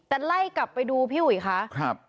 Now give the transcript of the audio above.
แต่ไล่กลับไปดูพี่ห่วิข้า